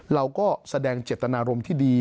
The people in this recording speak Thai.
เราก็แสดงเจตนารมณ์ที่ดี